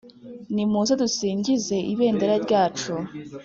Nimuze dusingize Ibendera ryacu.